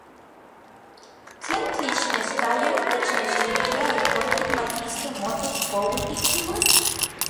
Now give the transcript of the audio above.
¿tlen tlixneskayotl technextilia ijkon tikmatiskej motech poui tikchiuas?